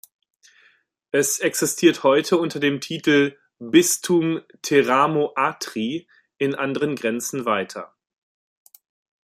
Es existiert heute unter dem Titel Bistum Teramo-Atri in anderen Grenzen weiter.